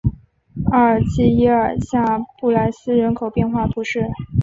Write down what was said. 阿尔济耶尔下布来斯人口变化图示